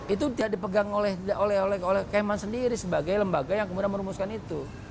itu tidak dipegang oleh keman sendiri sebagai lembaga yang kemudian merumuskan itu